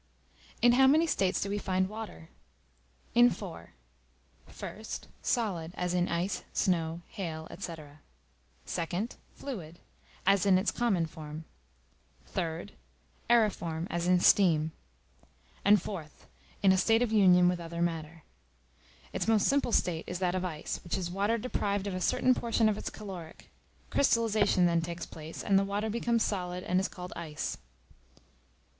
In how many states do we find Water? In four: 1st, solid, as in ice, snow, hail, &c. 2d, fluid, as in its common form; 3d, aëriform, as in steam; and 4th, in a state of union with other matter. Its most simple state is that of ice, which is water deprived of a certain portion of its caloric: crystallization then takes place, and the water becomes solid and is called ice.